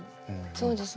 そうですね。